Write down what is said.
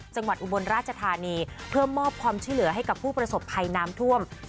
อุบลราชธานีเพื่อมอบความช่วยเหลือให้กับผู้ประสบภัยน้ำท่วม